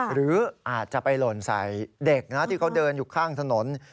หรืออาจจะไปหล่นใส่เด็กนะที่เขาเดินอยู่ข้างถนน